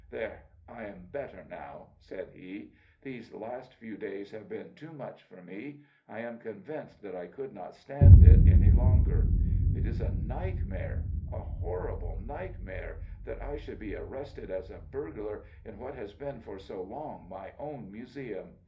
"There, I am better now!" said he. "These last few days have been too much for me. I am convinced that I could not stand it any longer. It is a nightmare—a horrible nightmare—that I should be arrested as a burglar in what has been for so long my own museum.